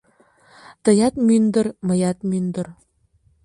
Тыят мӱндыр, мыят мӱндыр